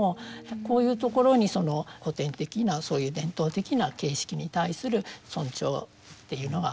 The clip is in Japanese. こういうところに古典的な伝統的な形式に対する尊重というのが見られます。